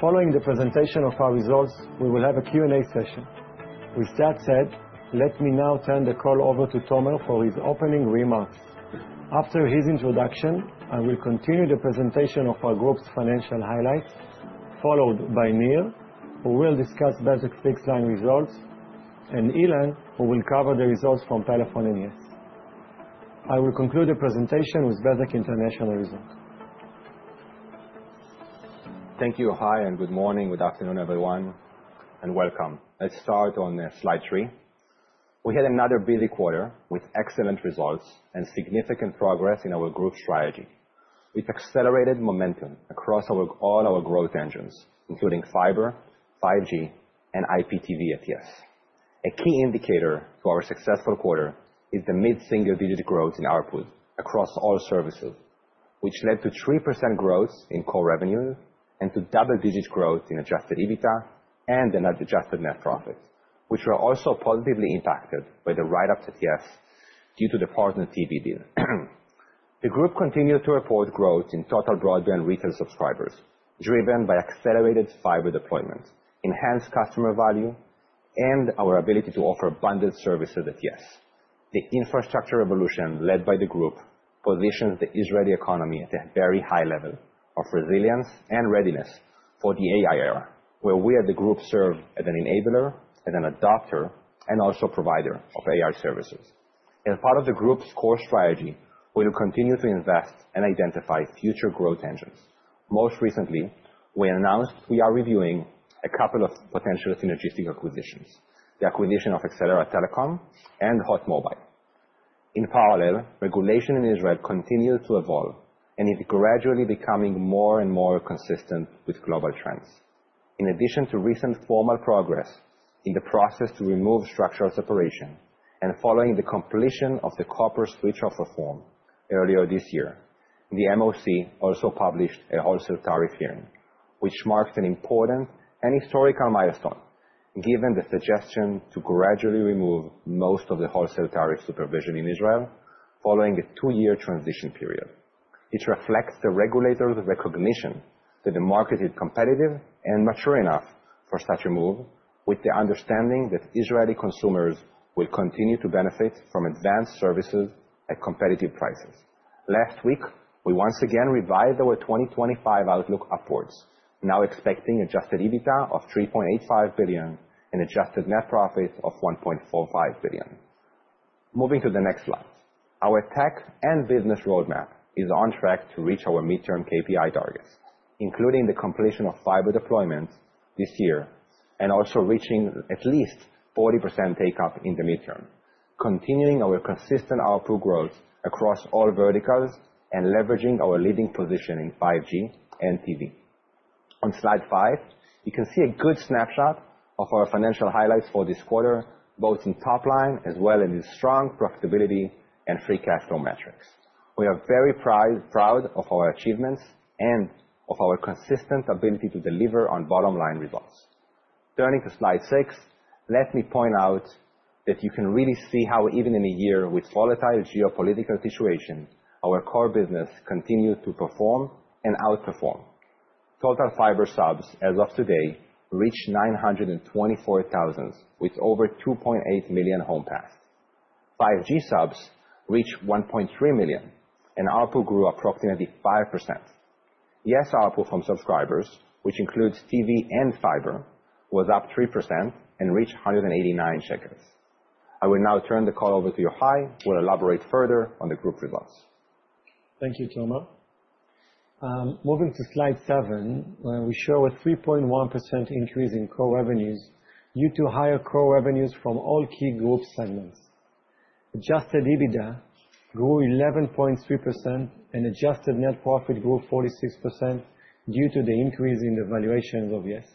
Following the presentation of our results, we will have a Q&A session. With that said, let me now turn the call over to Tomer for his opening remarks. After his introduction, I will continue the presentation of our group's financial highlights, followed by Nir, who will discuss Bezeq's Fixed-Line results, and Ilan, who will cover the results from Pelephone and YES. I will conclude the presentation with Bezeq International result. Thank you, Yohai, and good morning, good afternoon, everyone, and welcome. Let's start on slide three. We had another busy quarter with excellent results and significant progress in our group strategy. It accelerated momentum across all our growth engines, including fiber, 5G, and IPTV at YES. A key indicator for our successful quarter is the mid-single-digit growth in ARPU across all services, which led to 3% growth in core revenue and to double-digit growth in adjusted EBITDA and adjusted net profit, which were also positively impacted by the write-up to YES due to the Partner TV deal. The group continued to report growth in total broadband retail subscribers, driven by accelerated fiber deployment, enhanced customer value, and our ability to offer bundled services at TS. The infrastructure revolution led by the group positions the Israeli economy at a very high level of resilience and readiness for the AI era, where we at the group serve as an enabler, as an adopter, and also provider of AI services. As part of the group's core strategy, we will continue to invest and identify future growth engines. Most recently, we announced we are reviewing a couple of potential synergistic acquisitions: the acquisition of Exelera Telecom and HOT Mobile. In parallel, regulation in Israel continues to evolve, and it's gradually becoming more and more consistent with global trends. In addition to recent formal progress in the process to remove structural separation and following the completion of the copper switch-off reform earlier this year, the MOC also published a wholesale tariff hearing, which marked an important and historical milestone, given the suggestion to gradually remove most of the wholesale tariff supervision in Israel, following a two-year transition period. It reflects the regulator's recognition that the market is competitive and mature enough for such a move, with the understanding that Israeli consumers will continue to benefit from advanced services at competitive prices. Last week, we once again revised our 2025 outlook upwards, now expecting Adjusted EBITDA of 3.85 billion and Adjusted Net Profit of 1.45 billion. Moving to the next slide, our tech and business roadmap is on track to reach our midterm KPI targets, including the completion of fiber deployment this year and also reaching at least 40% take-up in the midterm, continuing our consistent ARPU growth across all verticals and leveraging our leading position in 5G and TV. On slide five, you can see a good snapshot of our financial highlights for this quarter, both in top line as well as in strong profitability and free cash flow metrics. We are very proud of our achievements and of our consistent ability to deliver on bottom-line results. Turning to slide six, let me point out that you can really see how, even in a year with a volatile geopolitical situation, our core business continued to perform and outperform. Total fiber subs, as of today, reached 924,000, with over 2.8 million homes passed. 5G subs reached 1.3 million, and output grew approximately 5%. Yes, output from subscribers, which includes TV and fiber, was up 3% and reached 189 shekels. I will now turn the call over to Yohai. We'll elaborate further on the group results. Thank you, Tomer. Moving to slide seven, where we show a 3.1% increase in core revenues due to higher core revenues from all key group segments. Adjusted EBITDA grew 11.3%, and adjusted net profit grew 46% due to the increase in the valuations of YES.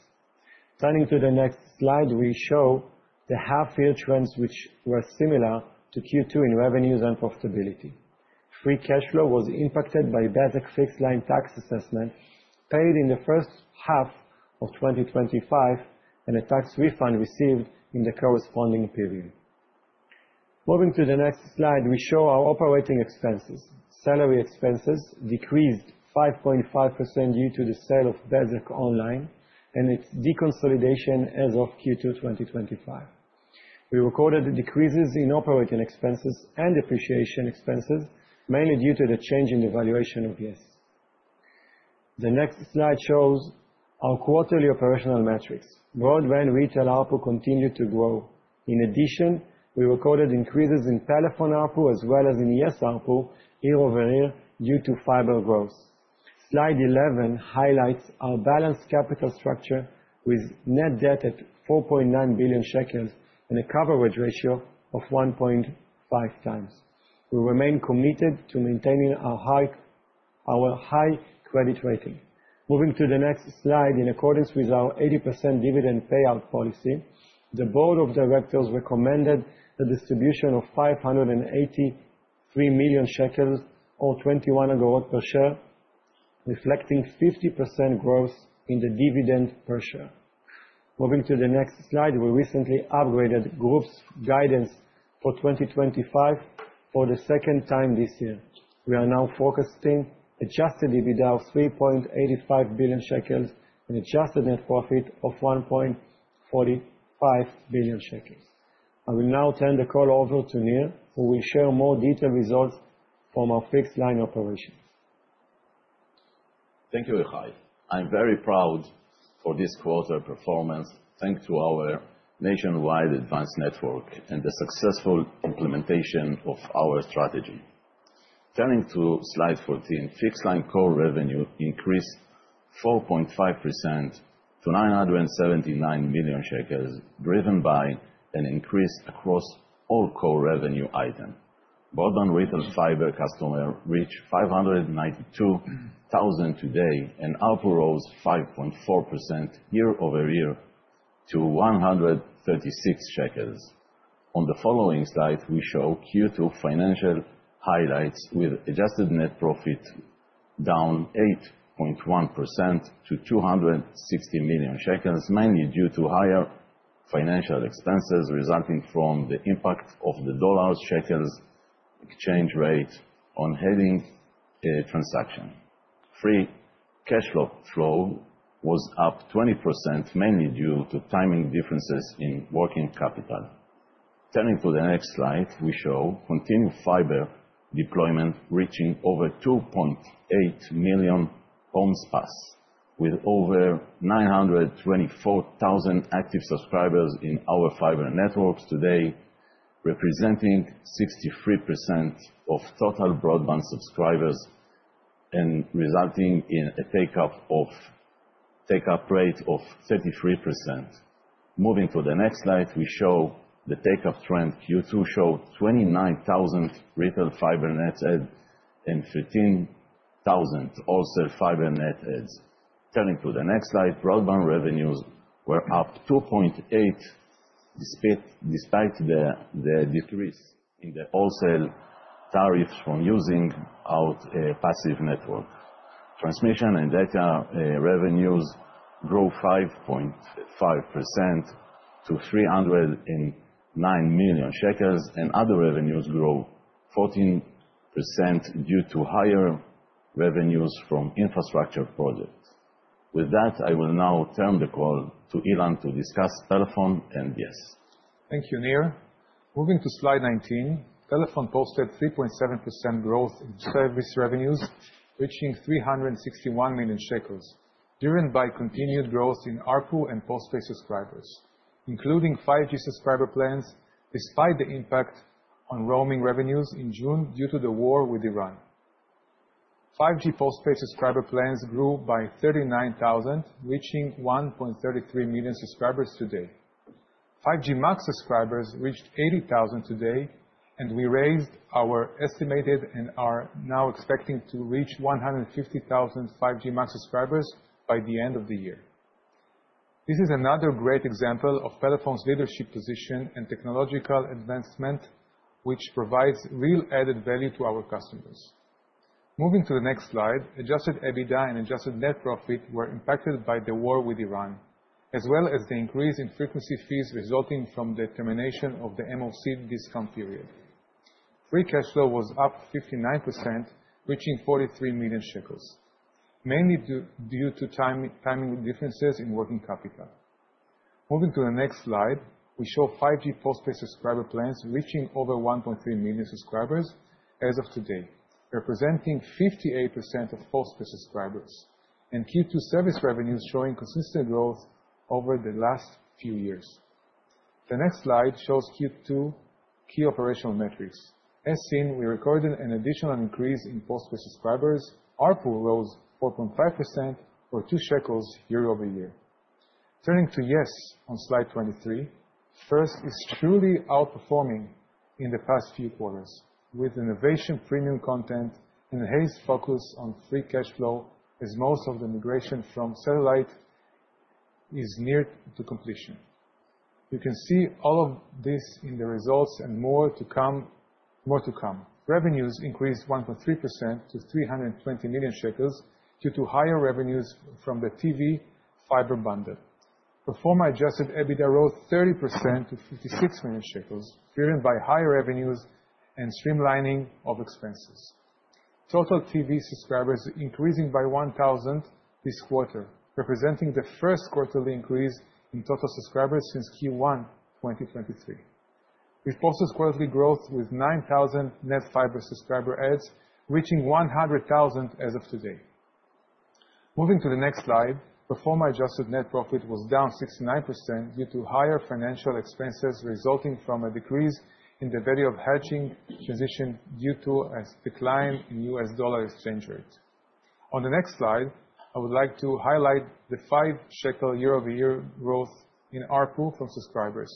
Turning to the next slide, we show the half-year trends, which were similar to Q2 in revenues and profitability. Free cash flow was impacted by Bezeq Fixed Line tax assessment paid in the first half of 2025 and a tax refund received in the corresponding period. Moving to the next slide, we show our operating expenses. Salary expenses decreased 5.5% due to the sale of Bezeq Online and its deconsolidation as of Q2 2025. We recorded the decreases in operating expenses and depreciation expenses, mainly due to the change in the valuation of YES. The next slide shows our quarterly operational metrics. Broadband retail output continued to grow. In addition, we recorded increases in telephone output as well as in YES output year-over-year due to fiber growth. Slide 11 highlights our balanced capital structure with net debt at 4.9 billion shekels and a coverage ratio of 1.5 times. We remain committed to maintaining our high credit rating. Moving to the next slide, in accordance with our 80% dividend payout policy, the board of directors recommended the distribution of 583 million shekels, or 0.21 growth per share, reflecting 50% growth in the dividend per share. Moving to the next slide, we recently upgraded Group's guidance for 2025 for the second time this year. We are now focusing on adjusted EBITDA of 3.85 billion shekels and adjusted net profit of 1.45 billion shekels. I will now turn the call over to Nir, who will share more detailed results from our fixed-line operations. Thank you, Yohai. I'm very proud of this quarter's performance, thanks to our nationwide advanced network and the successful implementation of our strategy. Turning to slide 14, fixed-line core revenue increased 4.5% to 979 million shekels, driven by an increase across all core revenue items. Broadband retail fiber customers reached 592,000 today and output rose 5.4% year over year to 136 shekels. On the following slide, we show Q2 financial highlights, with adjusted net profit down 8.1% to 260 million shekels, mainly due to higher financial expenses resulting from the impact of the dollar exchange rate on hedging transactions. Free cash flow was up 20%, mainly due to timing differences in working capital. Turning to the next slide, we show continued fiber deployment reaching over 2.8 million homes passed, with over 924,000 active subscribers in our fiber networks today, representing 63% of total broadband subscribers and resulting in a take-up rate of 33%. Moving to the next slide, we show the take-up trend. Q2 showed 29,000 retail fiber net adds and 15,000 wholesale fiber net adds. Turning to the next slide, broadband revenues were up 2.8% despite the decrease in the wholesale tariffs from rollout of a passive network. Transmission and data revenues grew 5.5% to 309 million shekels, and other revenues grew 14% due to higher revenues from infrastructure projects. With that, I will now turn the call to Ilan to discuss Pelephone and YES. Thank you, Nir. Moving to slide 19, Pelephone posted 3.7% growth in service revenues, reaching 361 million shekels, driven by continued growth in output and postpaid subscribers, including 5G subscriber plans, despite the impact on roaming revenues in June due to the war with Iran. 5G postpaid subscriber plans grew by 39,000, reaching 1.33 million subscribers today. 5G MAX subscribers reached 80,000 today, and we raised our estimated and are now expecting to reach 150,000 5G MAX subscribers by the end of the year. This is another great example of Pelephone leadership position and technological advancement, which provides real added value to our customers. Moving to the next slide, Adjusted EBITDA and Adjusted Net Profit were impacted by the war with Iran, as well as the increase in frequency fees resulting from the termination of the MOC discount period. Free cash flow was up 59%, reaching 43 million shekels, mainly due to timing differences in working capital. Moving to the next slide, we show 5G postpaid subscriber plans reaching over 1.3 million subscribers as of today, representing 58% of postpaid subscribers, and Q2 service revenues showing consistent growth over the last few years. The next slide shows Q2 key operational metrics. As seen, we recorded an additional increase in postpaid subscribers. Our ARPU rose 4.5% or two shekels year over year. Turning to YES on slide 23, YES is truly outperforming in the past few quarters, with innovation premium content and a heightened focus on free cash flow, as most of the migration from satellite is near to completion. You can see all of this in the results and more to come. Revenues increased 1.3% to 320 million shekels due to higher revenues from the TV fiber bundle. Pelephone adjusted EBITDA rose 30% to 56 million shekels, driven by higher revenues and streamlining of expenses. Total TV subscribers increasing by 1,000 this quarter, representing the first quarterly increase in total subscribers since Q1 2023. We posted quarterly growth with 9,000 net fiber subscriber adds, reaching 100,000 as of today. Moving to the next slide, Pelephone adjusted net profit was down 69% due to higher financial expenses resulting from a decrease in the value of hedging transaction due to a decline in US dollar exchange rate. On the next slide, I would like to highlight the 5 shekel year-over-year growth in output from subscribers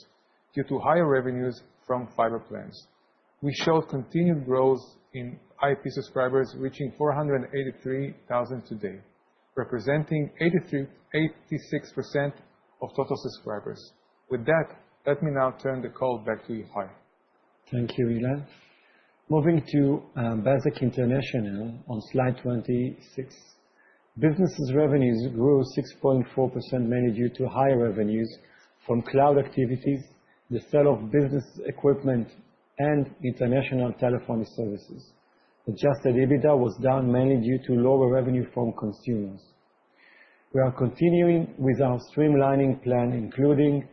due to higher revenues from fiber plans. We showed continued growth in IP subscribers reaching 483,000 today, representing 86% of total subscribers. With that, let me now turn the call back to you, Yohai. Thank you, Ilan.Moving to Bezeq International on slide 26, business revenues grew 6.4%, mainly due to high revenues from cloud activities, the sale of business equipment, and international telephony services. Adjusted EBITDA was down mainly due to lower revenue from consumers. We are continuing with our streamlining plan, including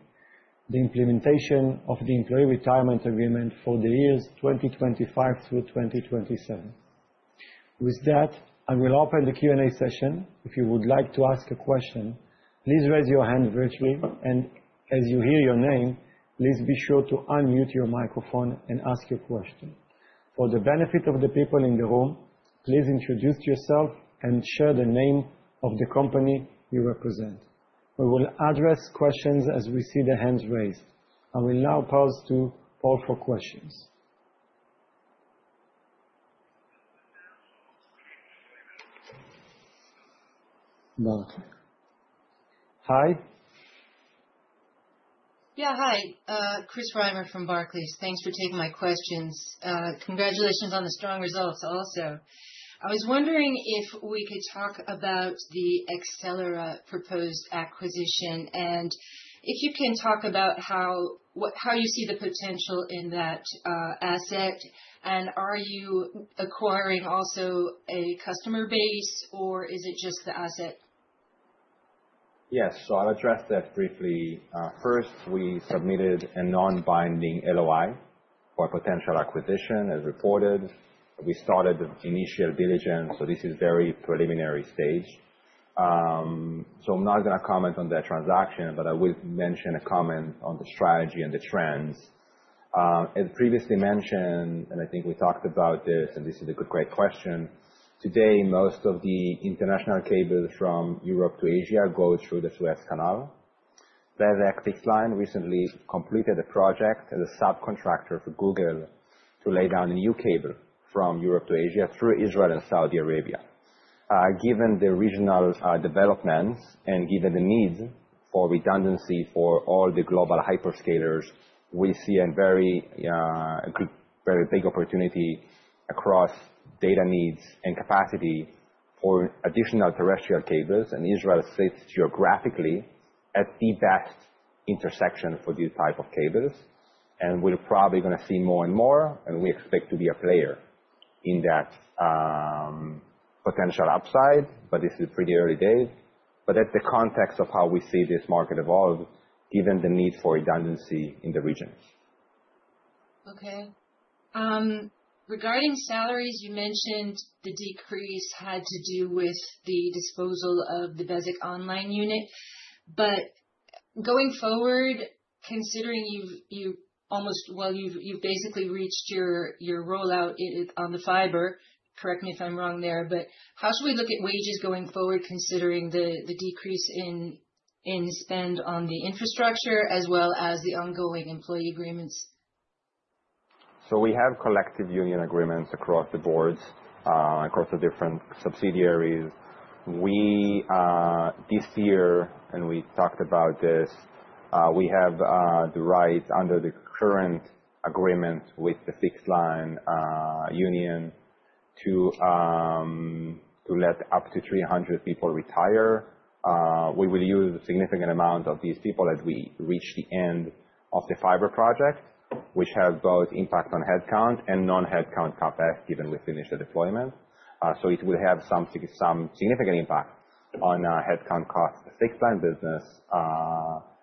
the implementation of the employee retirement agreement for the years 2025 through 2027. With that, I will open the Q&A session. If you would like to ask a question, please raise your hand virtually and as you hear your name, please be sure to unmute your microphone and ask your question. For the benefit of the people in the room, please introduce yourself and share the name of the company you represent. We will address questions as we see the hands raised. I will now pass to Paul for questions. Hi. Yeah, hi. Chris Reimer from Barclays. Thanks for taking my questions. Congratulations on the strong results also. I was wondering if we could talk about the Exelera proposed acquisition and if you can talk about how you see the potential in that asset. And are you acquiring also a customer base, or is it just the asset? Yes, so I'll address that briefly. First, we submitted a non-binding LOI for a potential acquisition, as reported. We started the initial diligence, so this is a very preliminary stage. So I'm not going to comment on that transaction, but I will mention a comment on the strategy and the trends. As previously mentioned, and I think we talked about this, and this is a great question. Today, most of the international cables from Europe to Asia go through the Suez Canal. Bezeq Fixed Line recently completed a project as a subcontractor for Google to lay down a new cable from Europe to Asia through Israel and Saudi Arabia. Given the regional developments and given the needs for redundancy for all the global hyperscalers, we see a very big opportunity across data needs and capacity for additional terrestrial cables. Israel sits geographically at the best intersection for this type of cables. We're probably going to see more and more, and we expect to be a player in that potential upside, but this is pretty early days. That's the context of how we see this market evolve, given the need for redundancy in the regions. Okay. Regarding salaries, you mentioned the decrease had to do with the disposal of the Bezeq Online unit. But going forward, considering you've almost, well, you've basically reached your rollout on the fiber, correct me if I'm wrong there, but how should we look at wages going forward, considering the decrease in spend on the infrastructure as well as the ongoing employee agreements? So we have collective union agreements across the boards, across the different subsidiaries. This year, and we talked about this, we have the right under the current agreement with the Fixed Line Union to let up to 300 people retire. We will use a significant amount of these people as we reach the end of the fiber project, which has both impact on headcount and non-headcount capacity when we finish the deployment. So it will have some significant impact on headcount costs of the fixed-line business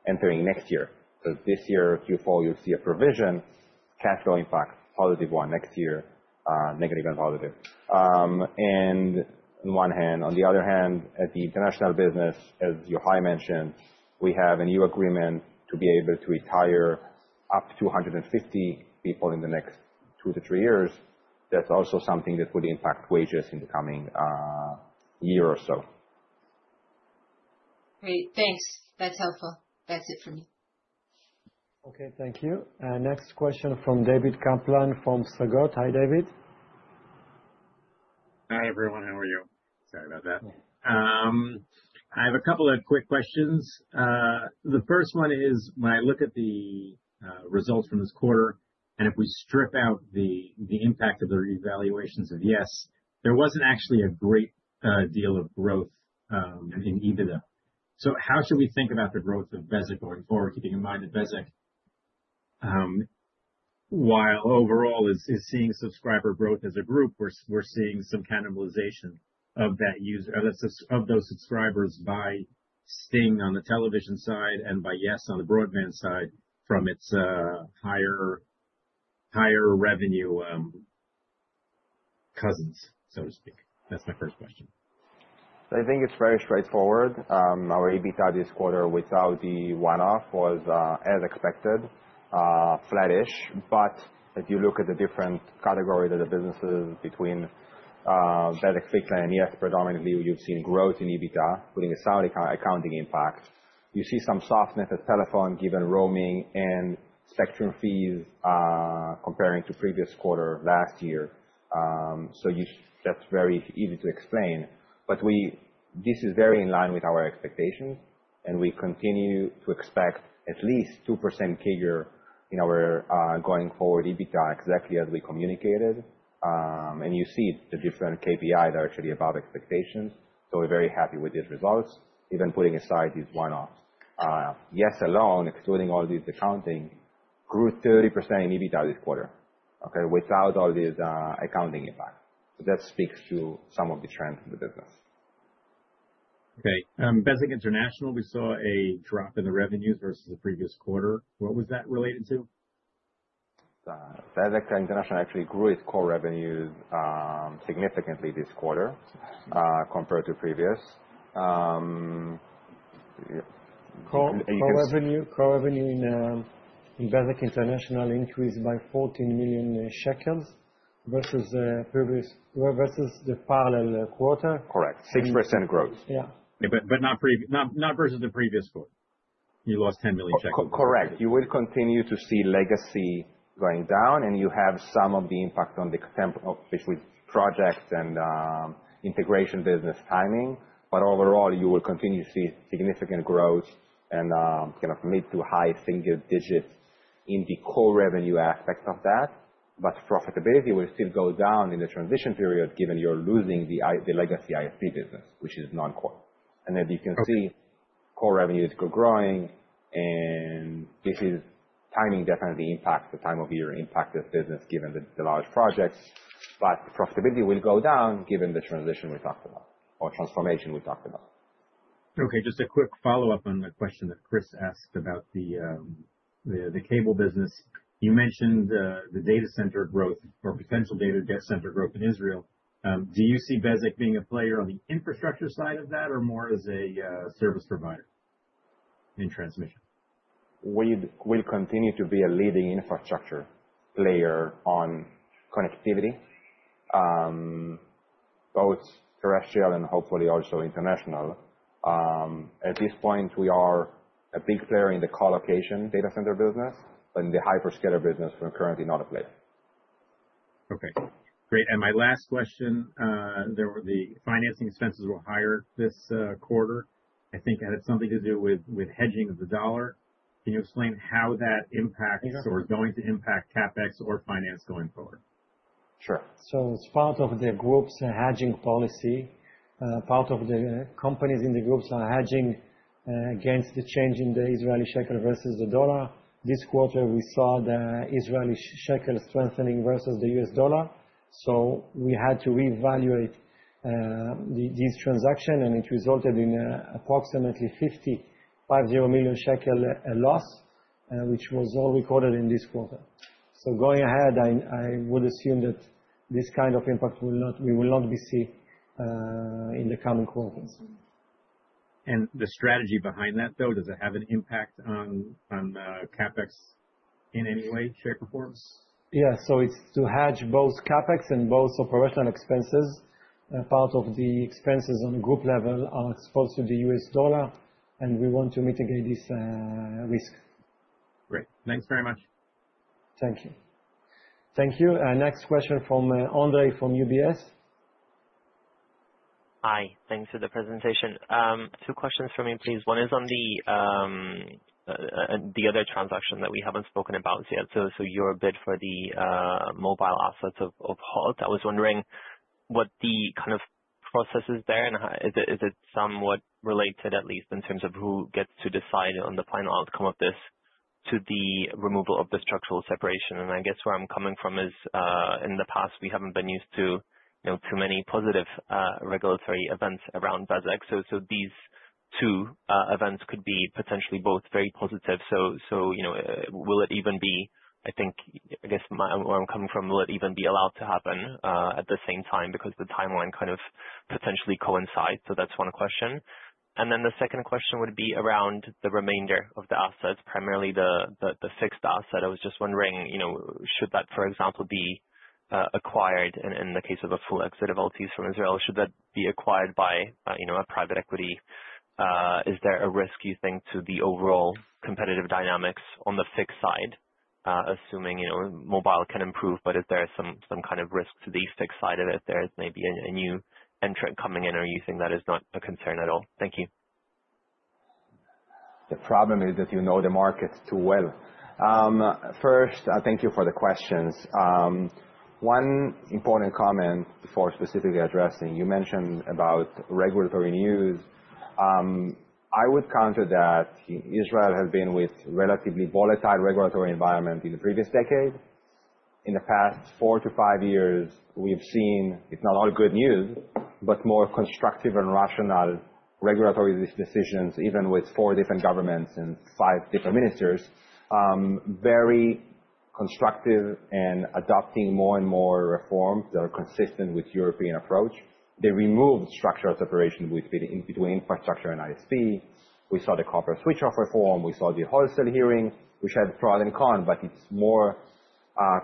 entering next year. So this year, Q4, you'll see a provision cash flow impact, positive one next year, negative and positive. And on one hand, on the other hand, at the international business, as you, Hi, mentioned, we have a new agreement to be able to retire up to 150 people in the next two to three years. That's also something that would impact wages in the coming year or so. Great. Thanks. That's helpful. That's it for me. Okay, thank you. Next question from David Kaplan from Psagot. Hi, David. Hi, everyone. How are you? Sorry about that. I have a couple of quick questions. The first one is, when I look at the results from this quarter, and if we strip out the impact of the revaluations of YES, there wasn't actually a great deal of growth in EBITDA. So how should we think about the growth of Bezeq going forward, keeping in mind that Bezeq, while overall is seeing subscriber growth as a group, we're seeing some cannibalization of those subscribers by Sting on the television side and by YES on the broadband side from its higher revenue cousins, so to speak? That's my first question. I think it's very straightforward. Our EBITDA this quarter without the one-off was, as expected, flattish. But if you look at the different categories of the businesses between Bezeq, Fixed Line, and YES, predominantly, you've seen growth in EBITDA, putting aside our accounting impact. You see some softness at Telefon, given roaming and spectrum fees comparing to the previous quarter last year. So that's very easy to explain. But this is very in line with our expectations, and we continue to expect at least 2% CAGR in our going forward EBITDA, exactly as we communicated. And you see the different KPIs are actually above expectations. So we're very happy with these results, even putting aside these one-offs. YES alone, excluding all these accounting, grew 30% in EBITDA this quarter, okay, without all these accounting impacts. So that speaks to some of the trends in the business. Okay. Bezeq International, we saw a drop in the revenues versus the previous quarter. What was that related to? Bezeq International actually grew its core revenues significantly this quarter compared to previous. Core Revenue in Bezeq International increased by 14 million shekels versus the parallel quarter. Correct. 6% growth. Yeah. But not versus the previous quarter. You lost 10 million. Correct. You will continue to see legacy going down, and you have some of the impact on the contemporary project and integration business timing. But overall, you will continue to see significant growth and kind of mid- to high-single digits in the core revenue aspect of that. But profitability will still go down in the transition period, given you're losing the legacy ISP business, which is non-core. And as you can see, core revenues are growing, and this timing definitely impacts the time of year impact this business, given the large projects. But the profitability will go down, given the transition we talked about, or transformation we talked about. Okay. Just a quick follow-up on the question that Chris asked about the cable business. You mentioned the data center growth or potential data center growth in Israel. Do you see Bezeq being a player on the infrastructure side of that, or more as a service provider in transmission? We will continue to be a leading infrastructure player on connectivity, both terrestrial and hopefully also international. At this point, we are a big player in the colocation data center business, but in the hyperscaler business, we're currently not a player. Okay. Great. And my last question, the financing expenses were higher this quarter. I think it had something to do with hedging of the dollar. Can you explain how that impacts or is going to impact CapEx or finance going forward? Sure. So as part of the group's hedging policy, part of the companies in the groups are hedging against the change in the Israeli shekel versus the dollar. This quarter, we saw the Israeli shekel strengthening versus the US dollar. So we had to reevaluate these transactions, and it resulted in approximately 50 million shekels loss, which was all recorded in this quarter. So going ahead, I would assume that this kind of impact we will not be seeing in the coming quarters. And the strategy behind that, though, does it have an impact on CapEx in any way, share performance? Yeah. So it's to hedge both CapEx and both operational expenses. Part of the expenses on the group level are exposed to the US dollar, and we want to mitigate this risk. Great. Thanks very much. Thank you. Thank you. Next question from Andrei from UBS. Hi. Thanks for the presentation. Two questions for me, please. One is on the other transaction that we haven't spoken about yet. So your bid for the mobile assets of HOT. I was wondering what the kind of process is there, and is it somewhat related, at least in terms of who gets to decide on the final outcome of this, to the removal of the structural separation? And I guess where I'm coming from is, in the past, we haven't been used to too many positive regulatory events around Bezeq. So these two events could be potentially both very positive. So will it even be, I think, I guess where I'm coming from, will it even be allowed to happen at the same time because the timeline kind of potentially coincides? So that's one question. And then the second question would be around the remainder of the assets, primarily the fixed asset. I was just wondering, should that, for example, be acquired in the case of a full exit of Altice from Israel? Should that be acquired by a private equity? Is there a risk, you think, to the overall competitive dynamics on the fixed side, assuming mobile can improve, but if there is some kind of risk to the fixed side of it, there is maybe a new entrant coming in, or you think that is not a concern at all? Thank you. The problem is that you know the markets too well. First, thank you for the questions. One important comment before specifically addressing. You mentioned about regulatory news. I would counter that Israel has been with a relatively volatile regulatory environment in the previous decade. In the past four to five years, we've seen, if not all good news, but more constructive and rational regulatory decisions, even with four different governments and five different ministers, very constructive and adopting more and more reforms that are consistent with the European approach. They removed structural separation between infrastructure and ISP. We saw the copper switch-off reform. We saw the wholesale hearing, which had pros and cons, but it's more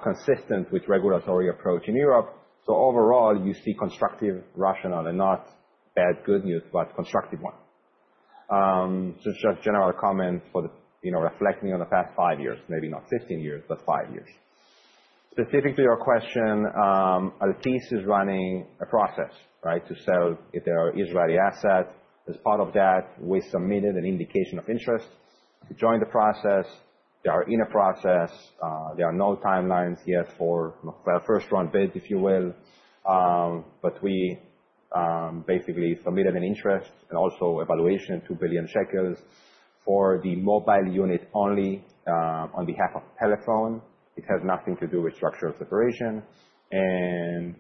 consistent with the regulatory approach in Europe. So overall, you see constructive, rational, and not bad good news, but constructive one. Just general comment for reflecting on the past five years, maybe not 15 years, but five years. Specific to your question, Altice is running a process, right, to sell their Israeli assets. As part of that, we submitted an indication of interest to join the process. They are in a process. There are no timelines yet for the first-round bid, if you will. But we basically submitted an interest and also evaluation of 2 billion shekels for the mobile unit only on behalf of Pelephone. It has nothing to do with structural separation. And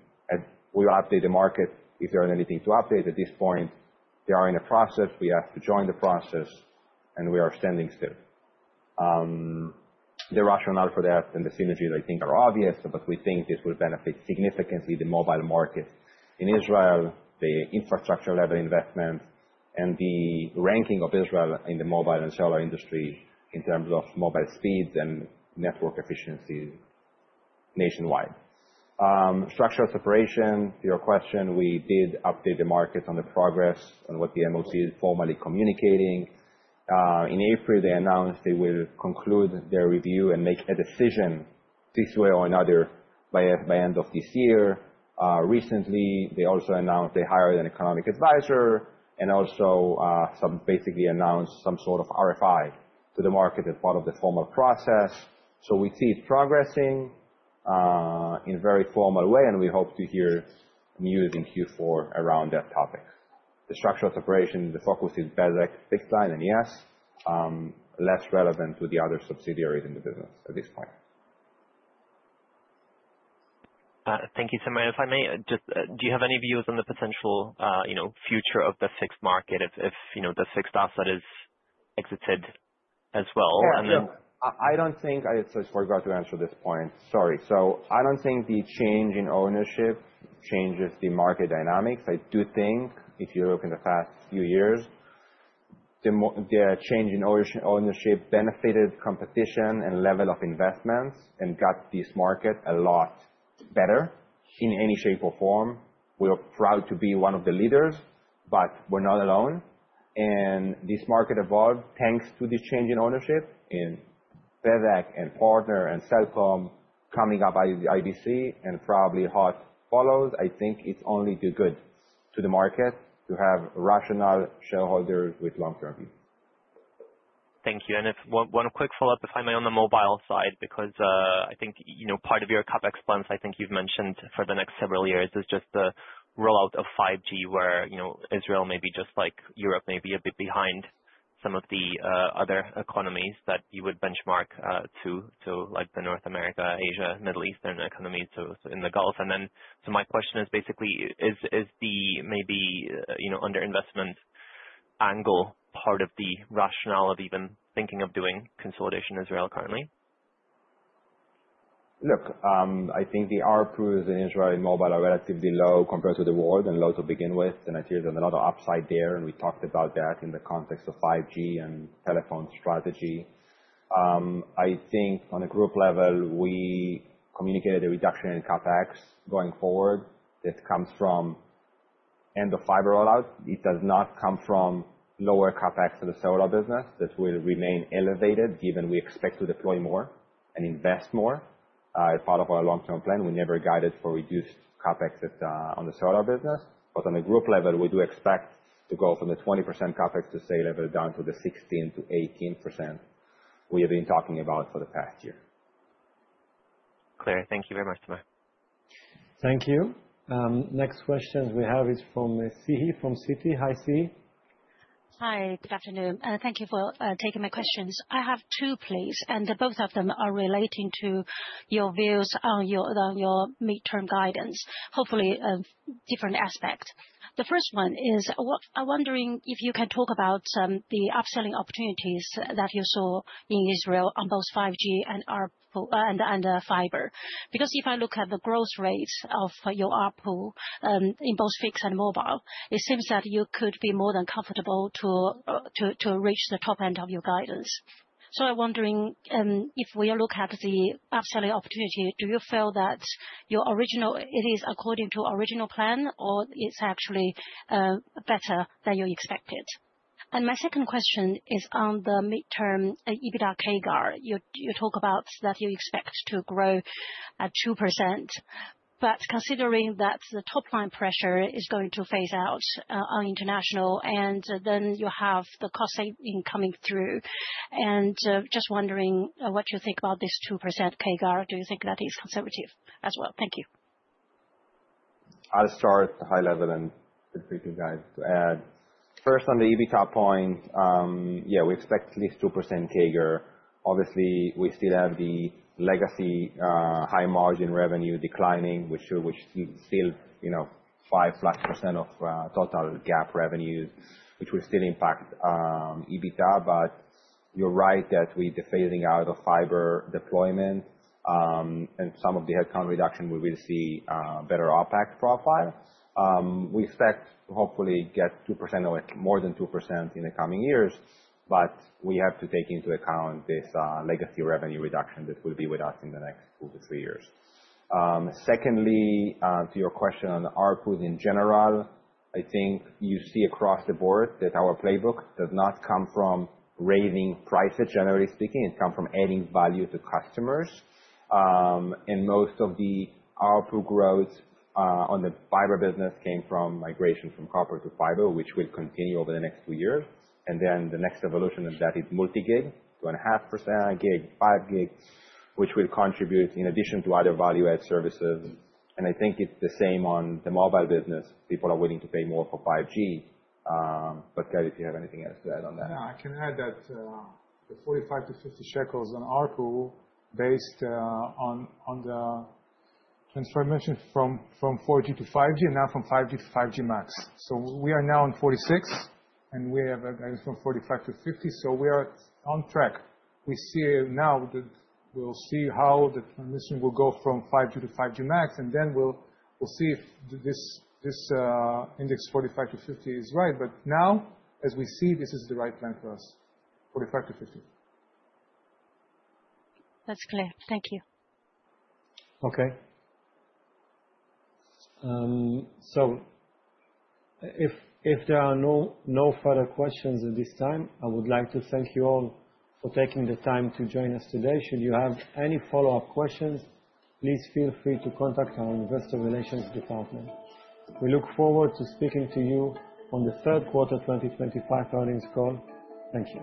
we will update the market if there is anything to update. At this point, they are in a process. We have to join the process, and we are standing still. The rationale for that and the synergy, I think, are obvious, but we think this will benefit significantly the mobile market in Israel, the infrastructure-level investment, and the ranking of Israel in the mobile and cellular industry in terms of mobile speeds and network efficiencies nationwide. Structural separation, to your question, we did update the market on the progress and what the MOC is formally communicating. In April, they announced they will conclude their review and make a decision this way or another by end of this year. Recently, they also announced they hired an economic advisor, and also basically announced some sort of RFI to the market as part of the formal process. So we see it progressing in a very formal way, and we hope to hear news in Q4 around that topic. The structural separation, the focus is Bezeq Fixed Line and YES, less relevant to the other subsidiaries in the business at this point. Thank you so much. If I may, just do you have any views on the potential future of the fixed market if the fixed asset is exited as well? Yeah. I don't think I just forgot to answer this point. Sorry. So I don't think the change in ownership changes the market dynamics. I do think, if you look in the past few years, the change in ownership benefited competition and level of investments and got this market a lot better in any shape or form. We are proud to be one of the leaders, but we're not alone. This market evolved thanks to the change in ownership in Bezeq and Partner and Cellcom coming up by the IBC and probably HOT follows. I think it's only good to the market to have rational shareholders with long-term views. Thank you. And one quick follow-up, if I may, on the mobile side, because I think part of your CapEx plans, I think you've mentioned for the next several years, is just the rollout of 5G, where Israel may be just like Europe may be a bit behind some of the other economies that you would benchmark to, like the North America, Asia, Middle Eastern economies in the Gulf. And then so my question is basically, is the maybe under-investment angle part of the rationale of even thinking of doing consolidation in Israel currently? Look, I think the ARPUs in Israel and mobile are relatively low compared to the world and low to begin with. And I think there's a lot of upside there, and we talked about that in the context of 5G and Telefon strategy. I think on a group level, we communicated the reduction in CapEx going forward. That comes from end-of-fiber rollout. It does not come from lower CapEx in the cellular business. That will remain elevated, given we expect to deploy more and invest more. It's part of our long-term plan. We never guided for reduced CapEx on the cellular business. But on a group level, we do expect to go from the 20% CapEx to say level down to the 16%-18% we have been talking about for the past year. Clear. Thank you very much, Tom. Thank you. Next question we have is from Siyi from Citi. Hi, Siyi. Hi. Good afternoon. Thank you for taking my questions. I have two, please, and both of them are relating to your views on your midterm guidance, hopefully different aspects. The first one is, I'm wondering if you can talk about the upselling opportunities that you saw in Israel on both 5G and fiber, because if I look at the growth rates of your RPU in both fixed and mobile, it seems that you could be more than comfortable to reach the top end of your guidance. So I'm wondering if we look at the upselling opportunity, do you feel that it is according to original plan, or it's actually better than you expected? And my second question is on the midterm EBITDA CAGR. You talk about that you expect to grow at 2%, but considering that the top-line pressure is going to phase out on international, and then you have the cost saving coming through, and just wondering what you think about this 2% CAGR? Do you think that is conservative as well? Thank you. I'll start at the high level and agree to you guys to add. First, on the EBITDA point, yeah, we expect at least 2% CAGR. Obviously, we still have the legacy high-margin revenue declining, which is still 5-plus% of total GAAP revenues, which will still impact EBITDA. But you're right that with the phasing out of fiber deployment and some of the headcount reduction, we will see a better OPEX profile. We expect to hopefully get 2% or more than 2% in the coming years, but we have to take into account this legacy revenue reduction that will be with us in the next two to three years. Secondly, to your question on ARPUs in general, I think you see across the board that our playbook does not come from raising prices, generally speaking. It comes from adding value to customers. And most of the RPU growth on the fiber business came from migration from copper to fiber, which will continue over the next two years. And then the next evolution of that is multi-gig, 2.5 gig, 5 gig, which will contribute in addition to other value-add services. And I think it's the same on the mobile business. People are willing to pay more for 5G. But Uncertain, if you have anything else to add on that? Yeah, I can add that the 45-50 shekels on ARPU based on the transformation from 4G to 5G and now from 5G to 5G MAX. So we are now on 46, and we have a guidance from 45-50. So we are on track. We see now that we'll see how the transition will go from 5G to 5G MAX, and then we'll see if this index 45-50 is right. But now, as we see, this is the right plan for us, 45-50. That's clear. Thank you. Okay. So if there are no further questions at this time, I would like to thank you all for taking the time to join us today. Should you have any follow-up questions, please feel free to contact our investor relations department. We look forward to speaking to you on the third quarter 2025 earnings call. Thank you.